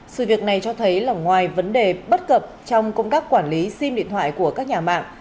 sự việc này cho thấy là ngoài vấn đề bất cập trong công tác quản lý sim điện thoại của các nhà mạng